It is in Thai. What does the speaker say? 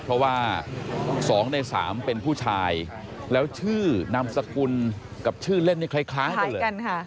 เพราะว่า๒ใน๓เป็นผู้ชายแล้วชื่อนามสกุลกับชื่อเล่นนี่คล้ายกันเลย